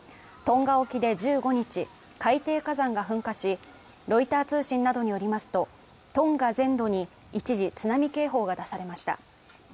トンガ沖で１５日、海底火山が噴火し、ロイター通信などによりますと、トンガ全土に一時津波警報が出されました。